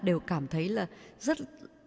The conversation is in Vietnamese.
đều cảm thấy là rất